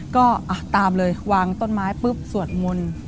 ก็ตามเลยวางต้นไม้ปุ๊บสวดมนต์